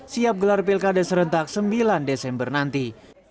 siap gelar pilkada serentak sembilan desember nanti